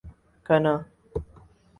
Ghana